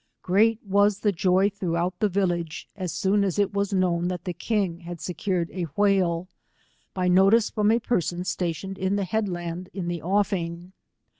Great was the joy throughout (he village, as soon as it was knowm 134 that the kiag had secured the whale, by notice from a person stationed at the head land in the offing.